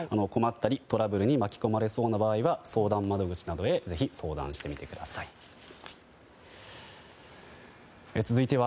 困ったり、トラブルに巻き込まれそうな場合は相談窓口などへぜひ、相談してください。